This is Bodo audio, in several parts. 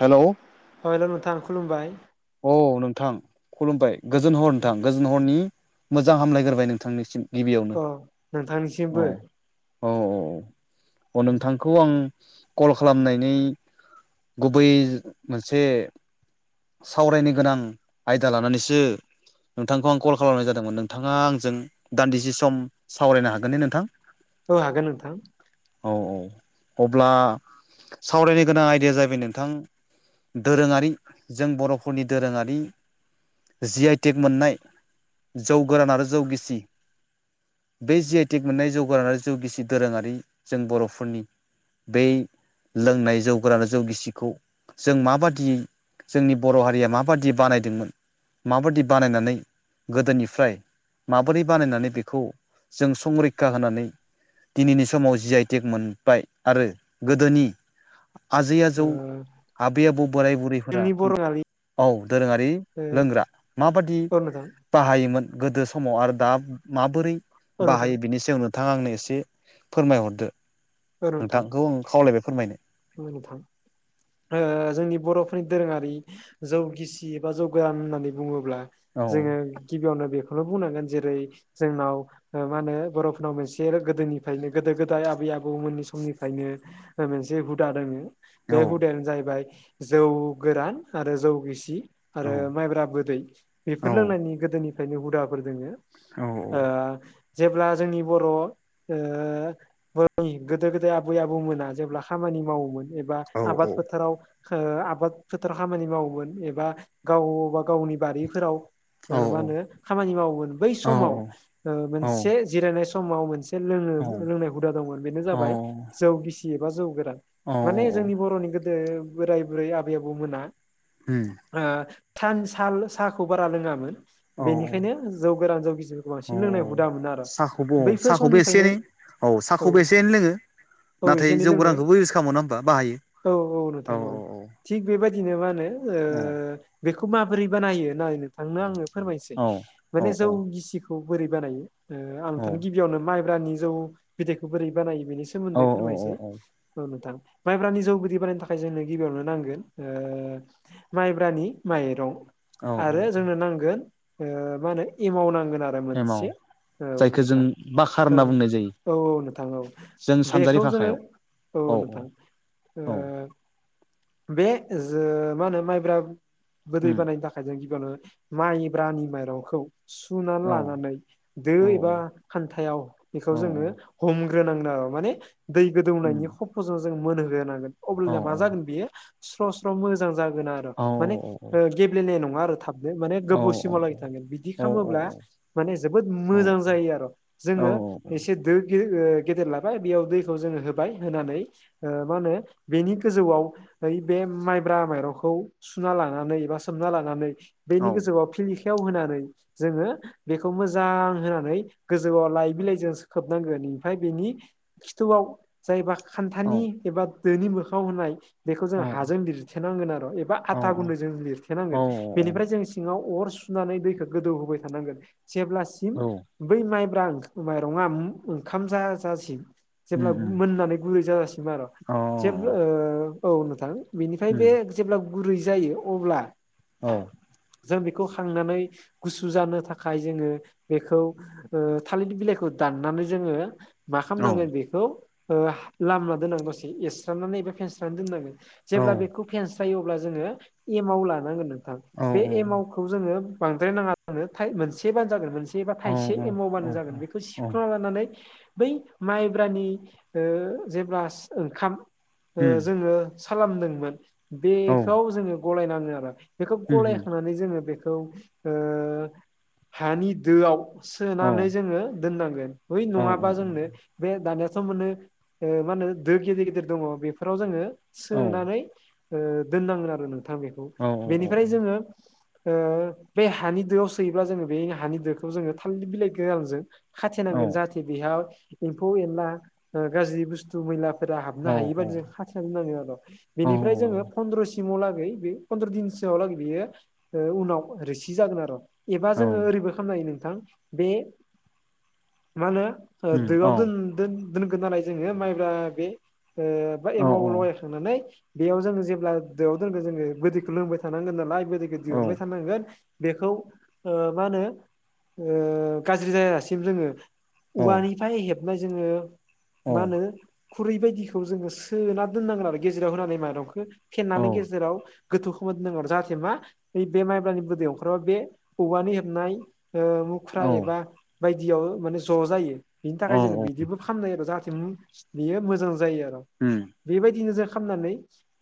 हेलौ। अ हेल' नोंथां खुलुमबाय। औ नोंथां खुलुमबाय गोजोन हर नोंथां गोजोन हरनि मोजां हामलायग्राय नोंथांनिसिम। गिबियावनो अ नोंथांनिसिमबो औ औ औ औ अ नोंथां। बे खौ आं कल खालामनायनि गुबै मोनसे सावरायनो गोनां आयदा लानानैसो नोंथांखौ आं कल खालामनाय जादोंमोन नोंथाङा आंजों दान्दिसे सम सावरायनो हागोन ने नोंथां? औ होगोन नोंथां। औ औ अब्ला सावरायनो गोनां आइडिया जाबैबाय नोंथां। दोरोङारि जों बर'फोरनि दोरोङारि जि आइटेक मोननाय जौ गोरान आरो जौ गिसि। बे जि आइ टेक मोननाय जौगानायां आरो जौगिसि दोरोङारि जों बर'फोरनि बै लोंनाय जौगोरानाय जौ गिसिखौ जों माबादियै जोंनि बर' हारिया माबादि बानायदोंमोन माबादि बानायनानै गोदोनिफ्राय माबोरै बानायनानै बेखौ जों संरैखा होनानै दिनैनि समाव जि आइटेक मोनबाय आरो गोदोनि आजै आजौ ओ आबै आबौ बोराय बुरै फोर जोंनि बर' हारि औ दोरोङारि लोंग्रा माबादि औ नोंथां बाहायोमोन गोदो समाव आरो दा माबोरै औ नोंथां बाहायो बिनि सायावनो नोंथाङा आंनो एसे फोरमायहरदो औ नोंथां नोंथांखौ आं खावलायबाय फोरमायनो औ नोंथां जोंनि बर'फोरनि दोरोङारि जौगिसि एबा जौगोरान होननानै बुङोब्ला औ जोङो गिबियावनो बेखौनो बुंनांगोन जेरै जोंनाव मा होनो बर'फोरनाव मोनसे गोदोनिफ्रायनो गोदो गोदाय आबै आबौ मोननि समनिफ्रायनो मोनसे हुदा दङो औ बे हुदायानो जाहैबाय जौ गोरान आरो जौ गिसि औ आरो माइब्रा बोदै बेफोर लोंनायनि गोदोनि ओंखायनो हुदाफोर दोङो औ जेब्ला जोंनि बर' गोदो गोदाय आबै आबौमोना जेब्ला खामानि मावोमोन एबा औ आबाद फोथाराव आबाद फोथाराव खामानि मावोमोन एबा गावबा गावनि बारिफोराव औ मा होनो खामानि मावोमोन बै समाव मोनसे जिरायनाय समाव मोनसे लोङो लोंनाय हुदा दंमोन बेनो जाबाय औ जौ गिसि एबा जौ गोरान औ माने जोंनि बर'नि गोदो बोराय बुरै आबै आबौ मोना उम थान साल साहाखौ बारा लोङामोन औ बेनिखायनो जौ गोरान जौ गिसिफोरखौ औ बांसिन लोंनाय औ हुदा मोनो आरो साहाखौबो औ बैफोर साहाखौबो एसे एनै समनिफ्रायनो औ साहाखौबो एसे एनै लोङो औ एसे नाथाय एनै जौ लोङो गोरानखौबो इउस खालामो नङा होमबा बाहायो औ औ औ थिग बेबायदिनो मा होनो बेखौ माबोरै बानायो नाय नोंथांनो आङो फोरमायनोसै औ औ माने जौ गिसिखौ बोरै बानायो आं औ नोंथांनो गिबि यावनो माइब्रानि जौ बिदैखौ बोरै बानायो बेनि औ सोमोन्दै फोरमायसै औ औ औ नोंथां माइब्रानि जौ बिदै बानायनो थाखाय जोंनो गिबियावनो नांगोन माइब्रानि माइरं औ औ आरो जोंनो नांगोन मा होनो एमाव नांगोन आरो एमाव मोनसे औ जायखौ जों नोंथां बाखार औ होनना बुंनाय जायो औ औ नोंथां औ जों सानजारि बेखौ जोङो भाखायाव औ नोंथां औ बे जो मा होनो माइब्रा गोदै उम बानायनो था खाय जोङो गिबिनो माइब्रानि माइरंखौ सुनानै औ लानानै दो औ एबा खान्थायाव बेखौ औ जोङो हमग्रोनांगोन आरो माने दै गोदौनायनि उम खफ'जों जों मोनहोग्रोनांगोन औ अब्लानिया मा जागोन बियो स्र' स्र' मोजां जागोन आरो औ माने गेब्लेनाय नङा आरो थाब माने औ गोबाव सिमाव लागि थांगोन बिदि औ खालामोब्ला माने जोबोद मोजां जायो आरो औ जोङो एसे दो गेदेर लाबाय बेयाव दैखौ जोङो होबाय होनानै मा होनो बेनि गोजौवाव ओइ बे माइब्रा माइरंखौ सुना लानानै एबा सोमना लानानै बैनि गोजौवाव [unintelligible] याव होनानै जोङो बेखौ मोजां होनानै गोजौवाव लाय बिलाइजों खोबनांगोन इनफाय बेनि खिथुवाव जायबा खान्थानि एबा दोनि मोखाङाव होनाय बेखौ जों हाजों लिरथेनांगोन आरो एबा औ आथा गुन्दैजों औ लिरथेनांगोन बेनिफ्राय जों सिङाव अर सुनानै दैखौ गोदौ होबाय थानांगोन जेब्लासिम औ बै माइब्रा माइरङा ओंखाम जाजासिम उम जेब्ला उम मोननानै गुरै जाजासिम आरो औ जेब्ला औ नोंथां बेनिफ्राय उम बे जेब्ला गुरै जायो अब्ला औ जों बेखौ खांनानै गुसु जानो थाखाय जोङो बेखौ थालिरनि बिलाइखौ दाननानै जोङो मा औ खालामनांगोन बे लामना दोनांगौ दसे एरस्रनानै एबा फेनस्राना दोननांगोन औ जेब्ला बेखौ फेनस्रा यो अब्ला जोङो एमाव लानांगोन नोंथां बे एमावखौ जोङो बांद्राय नाङा जोंनो थाइ मोनसेबानो जागोन मोनसे एबा औ थाइसे एमावबानो जागोन बेखौ सि नानै बै माइब्रानि जेब्ला ओंखाम उम जोङो सा लामदोंमोन औ बेखौ जोङो गलायनाङो आरो बेखौ उम उम गलायखांनानै जोङो बेखौ हानि दोआव औ सोनानै जोङो दोननांगोन हइ औ नङाबा जोंनो बे दानियाथ' मोनो मा होनो दो गिदिर गिदिर दङ बेफोराव जोङो सोनानै दोननांगोन आरो नों थां बेखौ औ बेनिफ्राय जोङो बे हानि दोआव सोयोब्ला जोङो बे हानि दोखौ जोङो थालिर बिलाइ गोरानजों खाथेनांगोन जाहाथे बेहाय एम्फौ एनला गाज्रि बुस्थु मैलाफोरा औ हाबनो हायि बादि औ जों खाथेना दोननांगोन आरो औ बेनिफ्राय जोङो फन्द्र'सिमाव लागै बे फन्द्र' दिनसोआव लागै बेयो उनाव रोसि जागोन आरो एबा जोङो ओरैबो खामनो नोंथां बे मा होनो दोआव दोन दोनगोन नालाय जोङो माइब्रा बे बा एमाव लगायखांनानै बेयाव जोङो जेब्ला दोआव दोनगोन जोङो गोदैखौ लोंबाय थानांगोन नालाय गोदैखौ दिहुनबाय थानांगोन बेखौ मा होनो गाज्रि जायालासिम जोङो औवानिफ्राय हेबनाय जोङो मा होनो खुरै बायदिखौ जोङो सोना दोननांगोन आरो गेजेराव होनानै माइरंखौ फेननानै गेजेराव गोथौ खालामना दोननांगोन आरो जाहाथे मा बे माइब्रानि बिदैआ ओंखारबा बे औवानि हेबनाय खुख्रा एबा बायदियाव माने ज' जायो बिनि औ थाखाय जोङो बिदिबो खालामनाय आरो जाहाथे बियो मोजां जायो आरो उम बेबायदिनो जों खालामनानै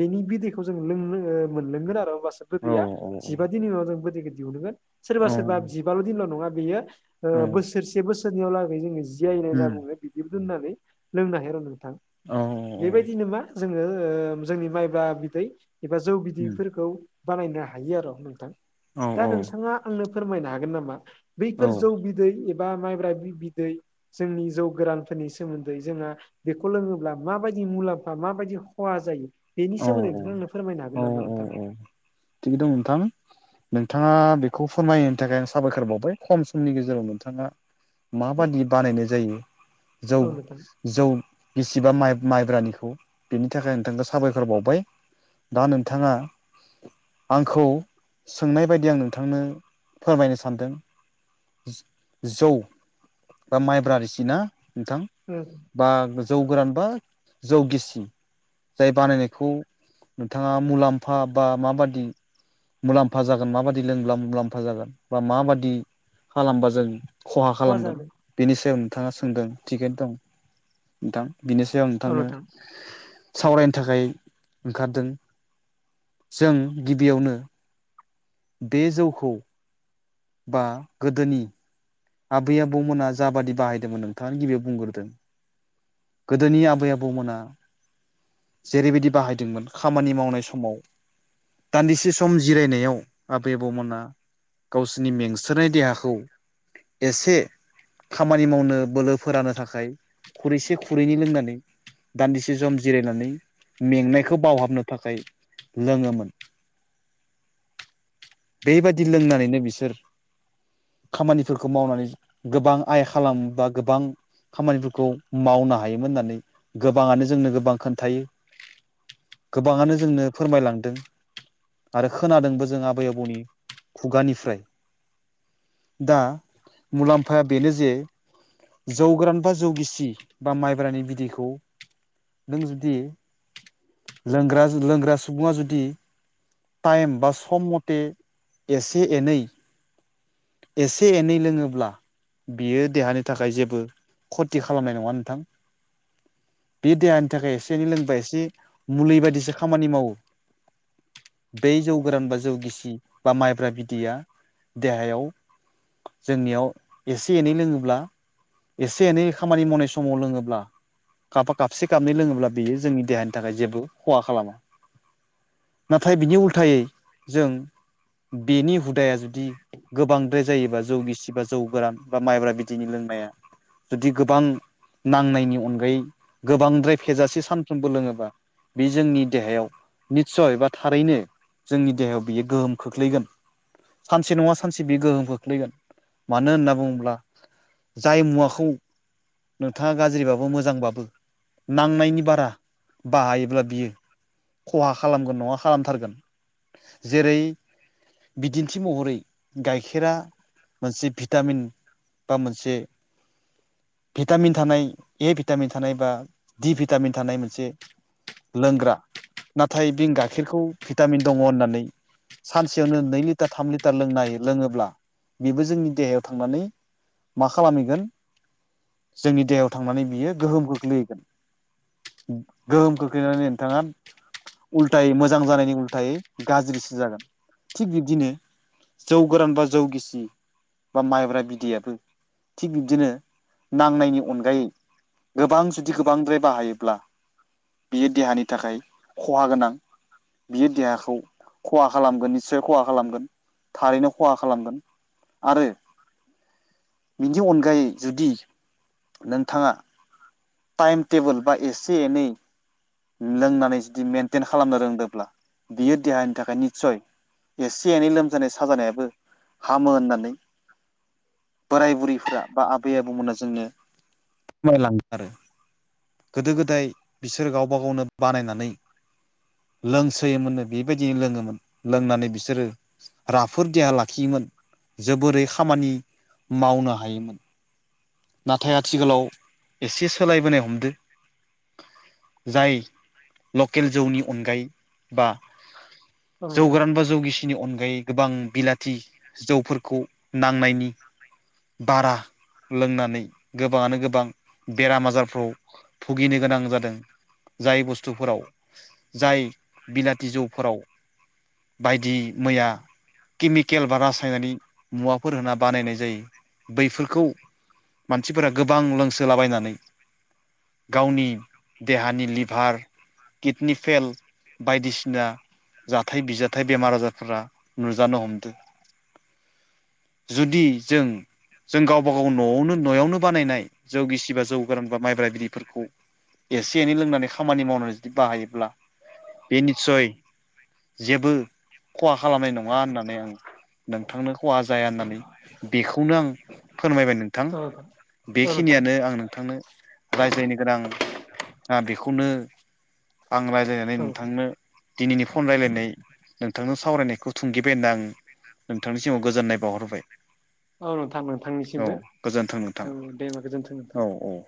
बेनि बिदैखौ जों लोंनो मोनलोंगोन आरो होमबासो औ गोदैया जिबा दिननि उनाव जों गोदैखौ दिहुनगोन सोरबा सोरबा जिबाल दिनल' नङा बेयो बोसोरसे बोसोरनैयाव लागै जोङो जिआयनाय होनना बुङो बिदिबो दोननानै लोंनो हायो र नोंथां औ बेबायदिनो मा जोङो जोंनि माइब्रा बानायनो हायो आरो' नोंथां दा नोंथाङा आंनो फोरमायनो हागोन नामा बैफोर जौ बिदै एबा माइब्रा बिदै जोंनि जौ गोरानफोरनि सोमोन्दै जोंहा बेखौ लोङोब्ला माबायदि मुलाम्फा माबायदि खहा जायो बेनि सोमोन्दै नोंथां आनो फोरमायनो औ हागोन नामा नोंथां थिग दं नोंथां नोंथाङा बेखौ फोरमायनो थाखाय आं साबायखर बावबाय खम समनि गेजेराव नोंथाङा माबादि बानायनाय जायो जौ औ नोंथां जौ बिसिबा माइब्रानिखौ बेनि थाखाय नोंथांखौ साबायखर बावबाय दा नोंथाङा आंखौ सोंनाय बायदि आं नोंथांनो फोरमायनो सानदों जौ बा माइब्रा रोसि ना नोंथां औ बा जौ गोरान बा जौ गिसि जाय बानायनायखौ नोंथाङा मुलाम्फा बा माबादि मुलाम्फा जागोन माबादि लोंब्ला मुलाम्फा जागोन बा माबादि खालामबा जों खहा खालामगोन बेनि सायाव नोंथाङा सोंदों थिगैनो दं नोंथां बिनि सायाव आं औ नोंथांनो नोंथां सावरायनो थाखाय ओंखारदों जों गिबियावनो बे जौखौ बा गोदोनि आबै आबौमोना जाबादि बाहायदोंमोन नोंथाङानो गिबियाव बुंग्रोदों गोदोनि आबै आबौमोना जेरैबायदि बाहायदोंमोन खामानि मावनाय समाव दान्दिसे सम जिरायनायाव आबै आबौमोनहा गावसोरनि मेंसोनाय देहाखौ एसे खामानि मावनो बोलो फोरानो थाखाय खुरैसे खुरैनै लोंनानै दान्दिसे सम जिरायनानै मेंनायखौ बावहाबनो थाखाय लोङोमोन बेबायदि लोंनानैनो बिसोर खामानि फोरखौ मावनानै गोबां आइ खालाम बा गोबां खामानिफोरखौ मावनो हायोमोन होननानै गोबाङानो जोंनो गोबां खोन्थायो गोबाङानो जोंनो फोरमायलांदों आरो खोनादोंबो जों आबै आबौनि खुगानिफ्राय दा मुलाम्फाया बेनो जे जौ गोरान बा जौ गिसि बा माइब्रानि बिदैखौ नों जुदि लोंग्रा लोंग्रा सुबुङा जुदि टाइम बा सम मथे एसे एनै एसे एनै लोङोब्ला बियो देहानि थाखाय जेबो खथि खालामनाय नङा नोंथां। बे देहानि थाखाय एसे एनै लोंबा एसे मुलि बायदिसो खामानि मावो। बै जौ गोरान बा जौ गिसि बा माइब्रा बिदैया देहायाव जोंनियाव एसे एनै लोङोब्ला एसे एनै खामानि मावनाय समाव लोङोब्ला काब काबसे गाबनै लोङोब्ला बियो जोंनि देहानि थाखाय जेबो खहा खालामा। नाथाय बिनि उल्थायै जों बेनि हुदाया जुदि गोबांद्राय जायोबा जौ गिसि बा जौ गोरान बा माइब्रा बिदिनि लोंनाया जुदि गोबां नांनायनि अनगायै गोबांद्राय फेजासे सानफ्रोमबो लोङोबा बे जोंनि देहायाव निस्सय बा थारैनो जोंनि देहायाव बियो गोहोम खोख्लैगोन सानसे नङा सान सानसे बे गोहोम खोख्लैगोन मानो होनना बुङोब्ला जाय मुवाखौ नोंथाङा गाज्रिबाबो मोजांबाबो नांनायनि बारा बाहायोब्ला बियो खहा खालामगोन नङा खालामथारगोन। जेरै बिदिन्थि महरै गाइखेरा मोनसे भिटामिन बा मोनसे भिटामिन थानाय ए भिटामिन थानाय बा ड भिटामिन थानाय मोनसे लोंग्रा नाथाय बिनि गाइखेरखौ भिटामिन दङ होननानै सानसेयावनो नै लिटार थाम लिटार लोंनो हायो। लोङोब्ला बेबो जोंनि देहायाव थांनानै मा खालामहैगोन? जोंनि देहायाव थांनानै बियो गोहोम खोख्लैगोन। गोहोम खोख्लैनानै नोंथाङा उल्थायै मोजां जानायनि उल्थायै गाज्रिसो जागोन थिग बिब्दिनो जौ गोरान बा जौ गिसि बा माइब्रा बिदैयाबो थिग बिबदिनो नांनायनि अनगायै गोबां जुदि गोबांद्राय बाहायोब्ला बियो देहानि थाखाय खहा गोनां बियो देहाखौ खहा खालामगोन निस्सय खहा खालामगोन। थारैनो खहा खालामो आरो। बिनि अनगायै जुदि नोंथाङा टाइम टेबोल बा एसे एनै लोंनानै जुदि मेेनटेन खालामनो रोंदोंब्ला बियो देहानि थाखाय निस्सय एसे एनै लोमजानाय साजानायाबो हामो होननानै बोराय बुरैफोरा बा आबै आबौमोना जोंनो फोरमायलाङो। आरो गोदो गोदाय बिसोरो गावबा गावनो बानायनानै लोंसोयोमोननो बेबायदिनो लोङोमोन लोंनानै बिसोरो राफोद देहा लाखियोमोन जोबोरै खामानि मावनो हायोमोन। नाथाय आथिखालाव एसे सोलायबोनाय हमदों। जाय लकेल जौनि अनगायै बा औ जौ नोंथां गोरान बा जौ जौगिसिनि अनगायै गोबां बिलाथि जौफोरखौ नांनायनि बारा लोंनानै गोबाङानो गोबां बेराम आजारफ्राव भुगिनो गोनां जादों जाय बुस्थुफोराव जाय बिलाथि जौफोराव बायदि मैया केमिकेल बा रासायनारिक मुवाफोर होना बानायनाय जायो बैफोरखौ मानसिफोरा गोबां लोंसोलाबायनानै गावनि देहानि लिभार किडनि फेल बायदिसिना जाथाय बिजथायाइ बेमार आजारफोरा नुजानो हमदों। जुदि जों जों गावबा गाव न'आवनो न'यावनो बानायनाय जौ गिसिबा जौ गोरानबा माइब्रा बिदैफोरखौ एसे एनै लोंनानै खामानि मावनानै जुदि बाहायोब्ला बे निस्सय जेबो ख'हा खालामनाय नङा होननानै आं नोंथांनो ख'हा जाया होननानै बेखौनो आं फोरमायबाय नों ओ औ नोथां आं नोंथांनो रायज्लायनो गोनां ओ बेखौनो आं रायज्लायनानै नै औ नोंथां नोंथांनो दिनैनि फन रायलायनाय नोंथांनो सावरायनायखौ थुंगिबाय होनना आं नोंथांनिसिमाव गोजोननाय बावहरबाय औ नोंथां औ नोंथांनिसिमबो गोजोन्थों नोंथां औ दे होमबा गोजोन्थों नोंथां औ औ